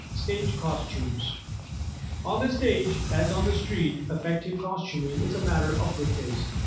] STAGE COSTUMES On the stage, as on the street, effective costuming is a matter of good taste.